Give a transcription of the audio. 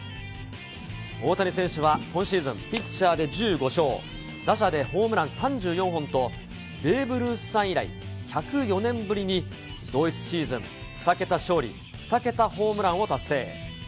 大谷選手は今シーズン、ピッチャーで１５勝、打者でホームラン３４本と、ベーブ・ルースさん以来、１０４年ぶりに同一シーズン２桁勝利２桁ホームランを達成。